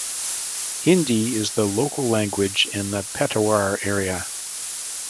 Hindi is the local language in the Petarwar area.